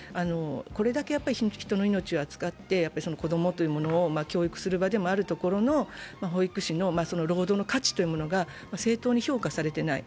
これだけ人の命を扱って子どもというものを教育する場でもあるところの保育士の労働の価値というものが正当に評価されていない。